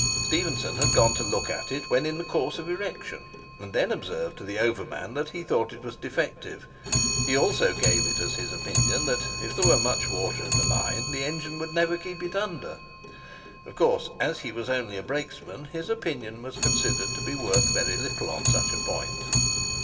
Stephenson had gone to look at it when in course of erection, and then observed to the over man that he thought it was defective; he also gave it as his opinion that, if there were much water in the mine, the engine would never keep it under. Of course, as he was only a brakesman, his opinion was considered to be worth very little on such a point.